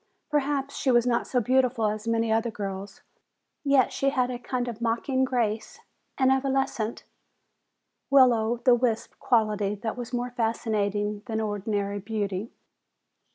Perhaps she was not so beautiful as many other girls. Yet she had a kind of mocking grace, an evanescent, will o' the wisp quality that was more fascinating than ordinary beauty.